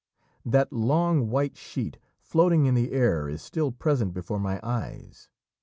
That long white sheet floating in the air is still present before my eyes.